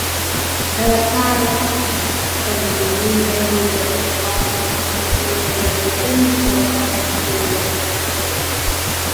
د کار پنځونې، بیو د ثبات او خلکو روزنې په برخه کې غوره دی